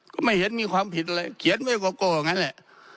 ก็ไม่เห็นมีความผิดอะไรเขียนไว้โกโก้อย่างนั้นแหละ